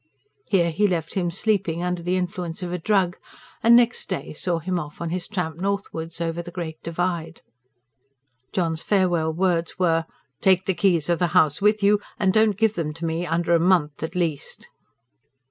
Here he left him sleeping under the influence of a drug, and next day saw him off on his tramp northwards, over the Great Divide. John's farewell words were: "Take the keys of the house with you, and don't give them up to me under a month, at least."